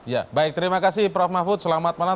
ya baik terima kasih prof mahfud selamat malam